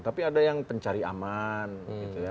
tapi ada yang pencari aman gitu ya